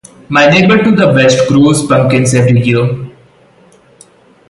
My neighbor to the west grows pumpkins every year.